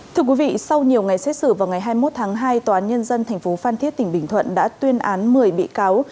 thưa quý vị sau nhiều ngày xét xử vào ngày hai mươi một tháng hai tòa án nhân dân tp phan thiết tỉnh bình thuận đã tuyên án một mươi bị cáo